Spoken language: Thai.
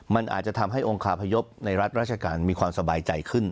มันอาจจะทำให้องคาพยพในรัฐราชการมีความสบายใจขึ้น